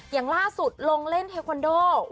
อย่างล่าสุดลงเล่นเทควันโด